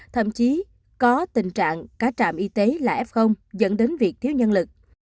thậm chí có tình trạng cả trạm y tế là f dẫn đến việc thiếu nhân lực